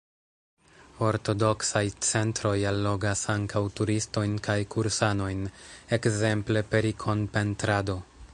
Ortodoksaj centroj allogas ankaŭ turistojn kaj kursanojn, ekzemple per ikonpentrado.